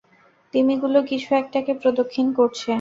তিমিগুলো কিছু একটাকে প্রদক্ষিণ করছে!